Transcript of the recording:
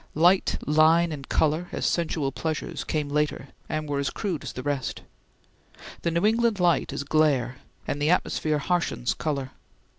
Light, line, and color as sensual pleasures, came later and were as crude as the rest. The New England light is glare, and the atmosphere harshens color.